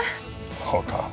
そうか。